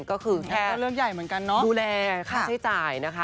ก็คือแค่ดูแลค่าใช้จ่ายนะคะ